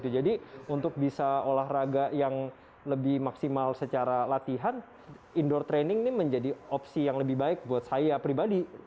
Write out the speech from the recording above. jadi untuk bisa olahraga yang lebih maksimal secara latihan indoor training ini menjadi opsi yang lebih baik buat saya pribadi